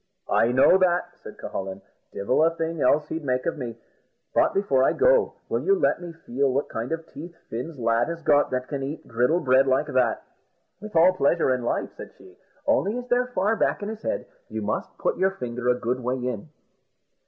"I know that," says Cucullin; "divil a thing else he'd make of me; but before I go, will you let me feel what kind of teeth Fin's lad has got that can eat griddle bread like that?" "With all pleasure in life," said she; "only, as they're far back in his head, you must put your finger a good way in."